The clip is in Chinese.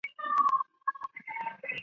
市南端即为富士山的山顶。